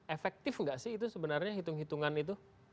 efektif nggak sih itu sebenarnya hitung hitungan itu